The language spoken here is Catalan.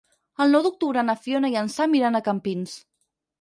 El nou d'octubre na Fiona i en Sam iran a Campins.